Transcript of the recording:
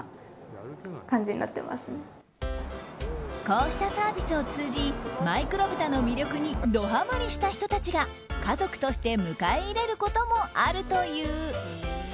こうしたサービスを通じマイクロブタの魅力にドハマリした人たちが家族として迎え入れることもあるという。